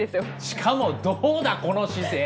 しかもどうだこの姿勢！？